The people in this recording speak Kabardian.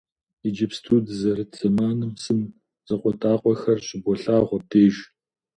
Иджыпсту дызэрыт зэманым сын закъуэтӏакъуэхэр щыболъагъу абдеж.